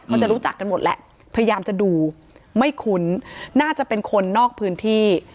เขาจะรู้จักกันหมดแหละพยายามจะดูไม่คุ้นน่าจะเป็นคนนอกพื้นที่